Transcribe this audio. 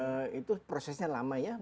pada umurnya itu prosesnya lama ya